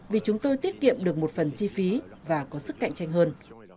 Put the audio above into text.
vì chúng tôi tiết kiệm được một phần chi phí và có sức cạnh tranh hơn